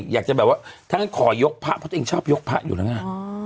อยากจะแบบว่าถ้างั้นขอยกพระเพราะตัวเองชอบยกพระอยู่แล้วไง